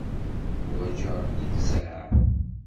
Ḥwajeɣ littseɛ.